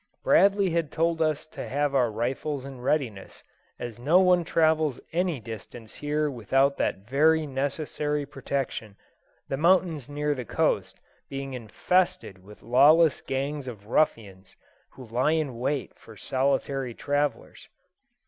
Bradley had told us to have our rifles in readiness, as no one travels any distance here without that very necessary protection, the mountains near the coast being infested with lawless gangs of ruffians, who lie in wait for solitary travellers.